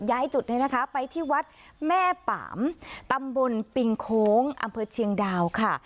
จุดนี้นะคะไปที่วัดแม่ป่ามตำบลปิงโค้งอำเภอเชียงดาวค่ะ